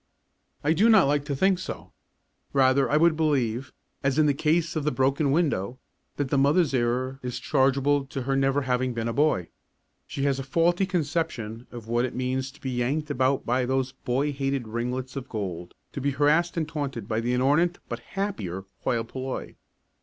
I do not like to think so. Rather would I believe, as in the case of the broken window, that the mother's error is chargeable to her never having been a boy. She has a faulty conception of what it means to be yanked about by those boy hated ringlets of gold, to be harassed and taunted by the inornate but happier hoi polloi.